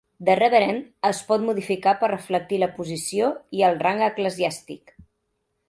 "The Reverend" es pot modificar per reflectir la posició i el rang eclesiàstic.